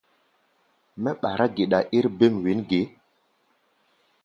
Mɛ́ ɓará geɗa ér bêm wěn ge?